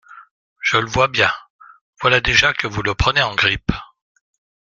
Je le vois bien… voilà déjà que vous le prenez en grippe !